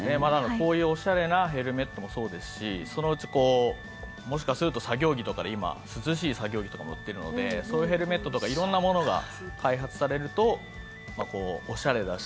こういう、おしゃれなヘルメットもそうですしそのうち、もしかすると作業着とかで今涼しい作業着とかも売ってるのでそういうヘルメットとか色んなものが開発されるとおしゃれだし。